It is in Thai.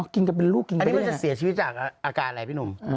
กินกับลูกกินกันได้ไงอันนี้มันจะเสียชีวิตจากอาการอะไรพี่นุ่ม